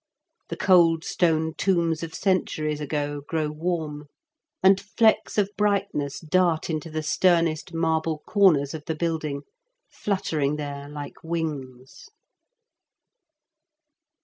The cold stone tombs of centuries ago grow warm ; and flecks of brightness dart into the sternest marble comers of the building, fluttering there like wings."